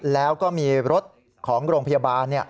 แล้วก็มีรถของโรงพยาบาล